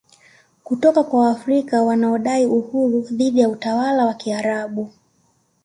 kutoka kwa Waafrika wanaodai uhuru dhidi ya utawala wa Kiarabu